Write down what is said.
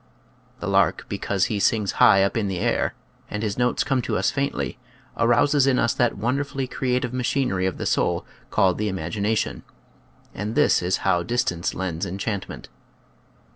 The lark, because he "sings high up in the air," and his notes come to us faintly, arouses in us that wonderfully crea tive machinery of the soul called the imagina tion; and this is how "distance lends en chantment."